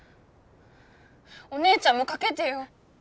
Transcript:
お姉ちゃんもかけてよ！